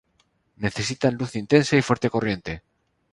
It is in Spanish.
Necesitan luz intensa y fuerte corriente.